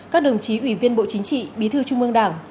các đồng chí ủy viên bộ chính trị bí thư trung mương đảng